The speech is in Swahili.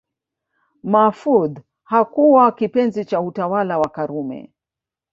Mahfoudh hakuwa kipenzi cha utawala wa Karume